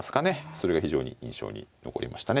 それが非常に印象に残りましたね。